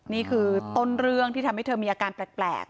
นี่คือต้นเรื่องที่ทำให้เธอมีอาการแปลก